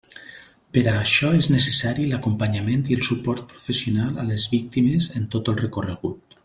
Per a això és necessari l'acompanyament i el suport professional a les víctimes en tot el recorregut.